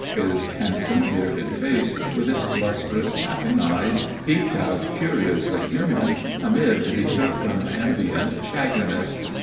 His handsome bearded face, with its lustrous, laughing eyes, peeped out curiously human amid the circumambient shagginess.